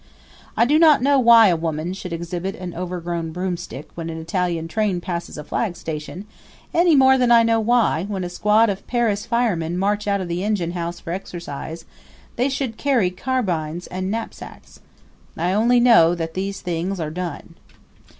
I do not know why a woman should exhibit an overgrown broomstick when an Italian train passes a flag station, any more than I know why, when a squad of Paris firemen march out of the engine house for exercise, they should carry carbines and knapsacks. I only know that these things are done.